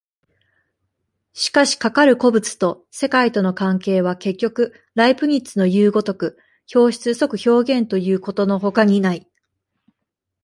しかしかかる個物と世界との関係は、結局ライプニッツのいう如く表出即表現ということのほかにない。